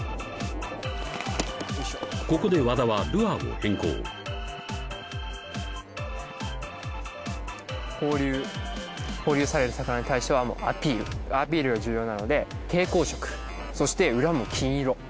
ここで和田はルアーを変更放流放流される魚に対してはもうアピールアピールが重要なので蛍光色そして裏も金色